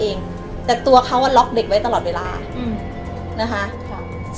เองแต่ตัวเขาอ่ะล็อกเด็กไว้ตลอดเวลาอืมนะคะครับ